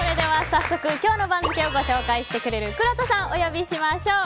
早速今日の番付を紹介してくれるくろうとさん、お呼びしましょう。